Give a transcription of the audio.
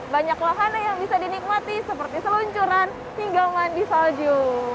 banyak wahana yang bisa dinikmati seperti seluncuran hingga mandi salju